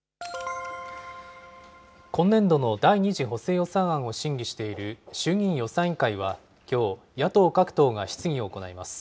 今年度の第２次補正予算案を審議している衆議院予算委員会はきょう、野党各党が質疑を行います。